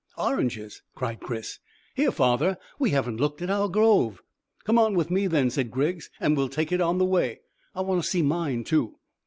"Oranges!" cried Chris. "Here, father, we haven't looked at our grove." "Come on with me, then," said Griggs, "and we'll take it on the way. I want to see mine too.